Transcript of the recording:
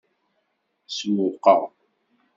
Sewwqeɣ.